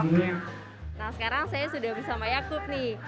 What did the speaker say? nah sekarang saya sudah bisa sama yaakub nih